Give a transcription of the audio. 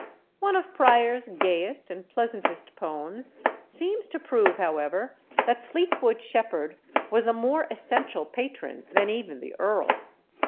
One of Prior's gayest and pleasantest poems seems to prove, however, that Fleetwood Shepherd was a more essential patron than even the earl.